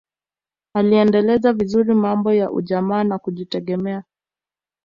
aliendeleza vizuri mambo ya ujamaa na kujitegemea